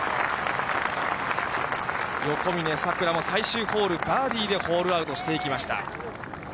横峯さくらも最終ホール、バーディーでホールアウトしていきました。